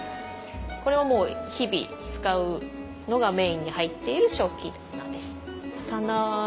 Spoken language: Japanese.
これはもう日々使うのがメインに入っている食器棚です。